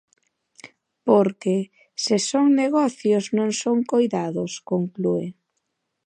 Porque "se son negocios non son coidados", conclúe.